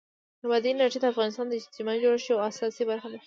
بادي انرژي د افغانستان د اجتماعي جوړښت یوه اساسي برخه ده.